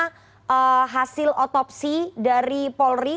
bagaimana hasil otopsi dari polri